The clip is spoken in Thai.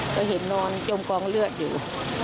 ก็เห็นนอนจมกองเลือดอยู่